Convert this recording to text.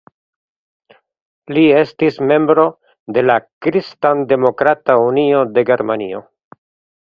Li estis membro de la Kristandemokrata Unio de Germanio.